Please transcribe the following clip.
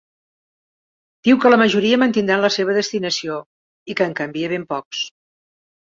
Diu que la majoria mantindran la seva destinació, i que en canvia ben pocs.